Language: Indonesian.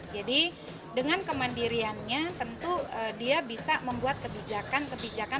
jadi dengan kemandiriannya tentu dia bisa membuat kebijakan kebijakan